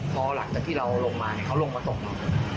พอหลังจากที่เราลงมาเขาลงมาตบน้อง